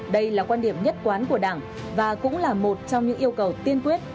đây là quan điểm nhất quán của đảng và cũng là một trong những yêu cầu tiên quyết